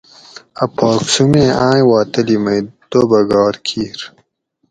ا پھاک سومیں آئیں وا تلی مئی توبہ گار کیر